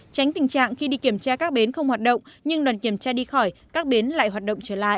tránh tình trạng khi đi kiểm tra các bến không hoạt động nhưng đoàn kiểm tra đi khỏi các bến lại hoạt động trở lại